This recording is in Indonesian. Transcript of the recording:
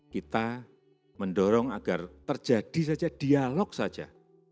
kita mendorong agar terjadi saja dialog saja